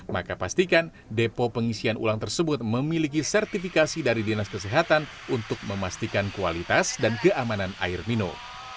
maka pastikan depo pengisian ulang tersebut memiliki sertifikasi dari dinas kesehatan untuk memastikan kualitas dan keamanan air minum